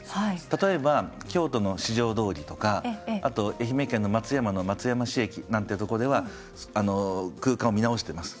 例えば京都の四条通とかあと愛媛県の松山の松山市駅なんてとこでは空間を見直しています。